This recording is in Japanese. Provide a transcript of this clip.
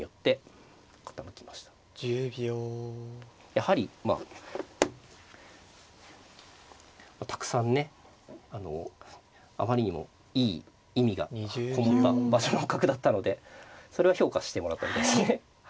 やはりまあたくさんねあまりにもいい意味がこもった場所の角だったのでそれを評価してもらったみたいですね。